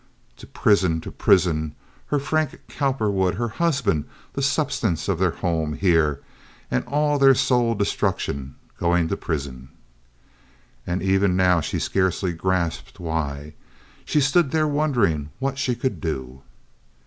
To prison! To prison! Her Frank Cowperwood, her husband—the substance of their home here—and all their soul destruction going to prison. And even now she scarcely grasped why! She stood there wondering what she could do.